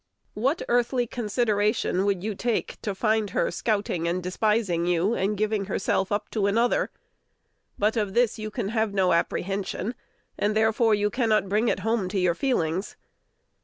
What earthly consideration would you take to find her scouting and despising you, and giving herself up to another? But of this you have no apprehension; and therefore you cannot bring it home to your feelings.